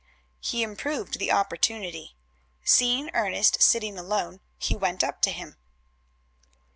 He improved the opportunity. Seeing Ernest sitting alone, he went up to him.